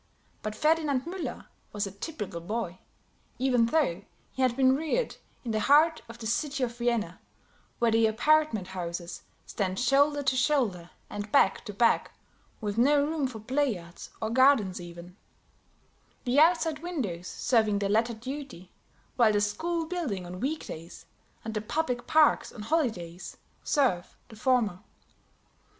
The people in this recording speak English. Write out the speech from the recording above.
But Ferdinand Müller was a typical boy, even though he had been reared in the heart of the city of Vienna, where the apartment houses stand shoulder to shoulder, and back to back, with no room for play yards or gardens, even; the outside windows serving the latter duty, while the school building on week days, and the public parks on holidays, serve the former.